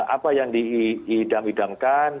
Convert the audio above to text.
apa yang diidam idamkan